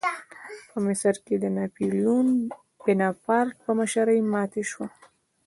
په مصر کې د ناپلیون بناپارټ په مشرۍ ماتې شوه.